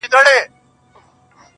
• پکښی شخول به وو همېش د بلبلانو-